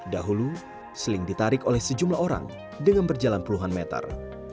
dahulu sling ditarik oleh sejumlah orang dengan berjalan puluhan meter